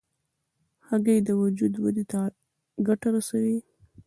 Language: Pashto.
هګۍ د وجود ودې ته ګټه رسوي.